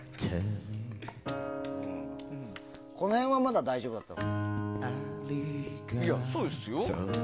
この辺はまだ大丈夫だった。